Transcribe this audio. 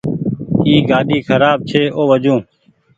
اي گآڏي کراب ڇي او وجون۔